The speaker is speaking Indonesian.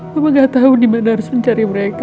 mama gak tahu di mana harus mencari mereka